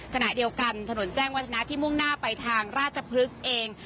ขณะเดียวกันถนนแจ้งวัฒนาที่มุ่งหน้าไปทางราชพฤกษ์เอง